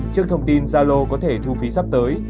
trước thông tin zalo có thể thu phí sắp tới